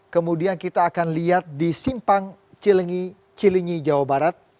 kemudian kita akan lihat di simpang cilinyi jawa barat